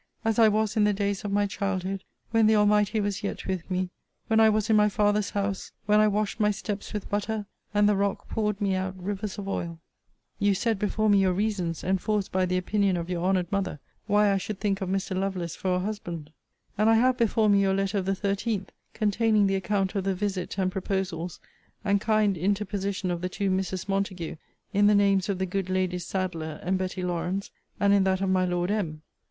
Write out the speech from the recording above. As I was in the days of my childhood when the Almighty was yet with me: when I was in my father's house: when I washed my steps with butter, and the rock poured me out rivers of oil.' You set before me your reasons, enforced by the opinion of your honoured mother, why I should think of Mr. Lovelace for a husband.* * See the preceding Letter. And I have before me your letter of the 13th,* containing the account of the visit and proposals, and kind interposition of the two Misses Montague, in the names of the good Ladies Sadleir and Betty Lawrance, and in that of my Lord M.